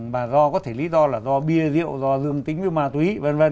bà do có thể lý do là do bia rượu do dương tính với ma túy